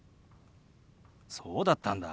そうだったんだ。